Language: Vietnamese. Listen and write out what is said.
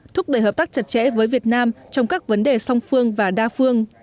thúc đẩy hợp tác chặt chẽ với việt nam trong các vấn đề song phương và đa phương